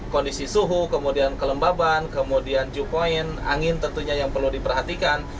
kondisi suhu kemudian kelembaban kemudian jupoint angin tentunya yang perlu diperhatikan